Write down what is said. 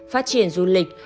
phát triển du lịch